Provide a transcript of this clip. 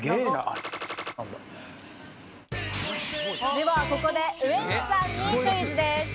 ではここでウエンツさんにクイズです。